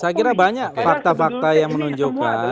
saya kira banyak fakta fakta yang menunjukkan